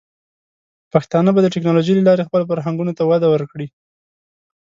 پښتانه به د ټیکنالوجۍ له لارې خپلو فرهنګونو ته وده ورکړي.